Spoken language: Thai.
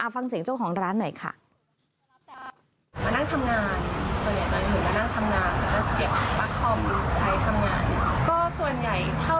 ฟังเสียงเจ้าของร้านหน่อยค่ะ